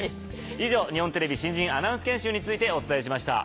以上日本テレビ新人アナウンス研修についてお伝えしました。